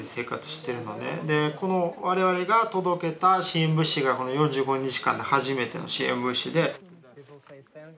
この我々が届けた支援物資がこの４５日間で初めての支援物資で。